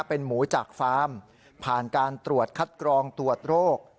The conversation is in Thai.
เป็นหมูจากฟาร์มผ่านการตรวจคัดกรองตรวจโรค